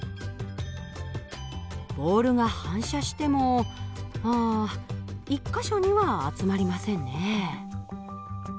ボールが反射してもあ１か所には集まりませんね。